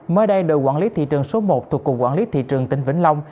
mới đây đội quản lý thị trường số một thuộc cục quản lý thị trường tỉnh vĩnh long